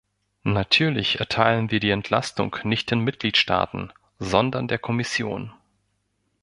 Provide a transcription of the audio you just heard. Natürlich erteilen wir die Entlastung nicht den Mitgliedstaaten, sondern der Kommission.